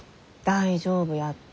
大丈夫やって。